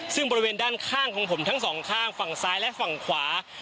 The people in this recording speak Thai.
ซึ่งบริเวณด้านข้างของผมทั้งสองข้างฝั่งซ้ายและฝั่งขวา